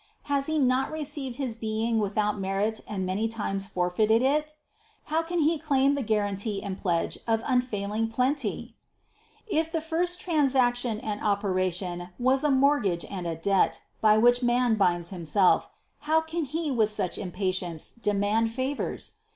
Has he not received his being without merit and many times forfeited it? How can he claim the guarantee and pledge of unfailing plenty? 358. If the first transaction and operation was a mort gage and a debt by which man binds himself, how can he with such impatience demand favors?